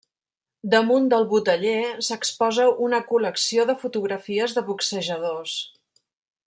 Damunt del boteller s'exposa una col·lecció de fotografies de boxejadors.